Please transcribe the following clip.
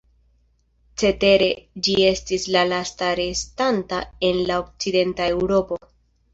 Cetere ĝi estis la lasta restanta en la Okcidenta Eŭropo.